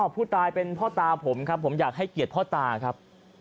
ผู้ตายเป็นพ่อตาผมครับผมอยากให้เกียรติพ่อตาครับ